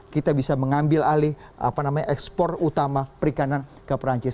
kita bisa mengambil alih ekspor utama perikanan ke perancis